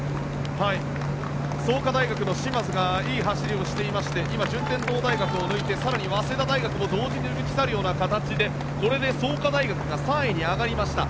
創価大学の嶋津がいい走りをしていまして今、順天堂大学を抜いて更に早稲田大学を同時に抜き去るような形でこれで創価大学が３位に上がりました。